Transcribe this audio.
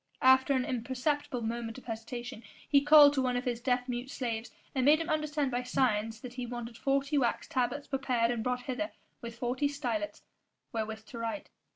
After an imperceptible moment of hesitation, he called to one of his deaf mute slaves and made him understand by signs that he wanted forty wax tablets prepared and brought hither with forty stylets wherewith to write.